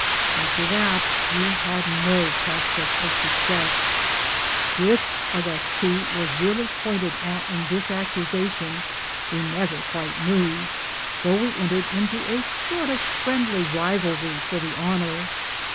After that we had no prospect of success ! Which of us two was really pointed at in this accusation we never quite knew, though we entered into a sort of friendly rivalry for the honour.